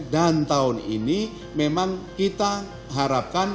dan tahun ini memang kita harapkan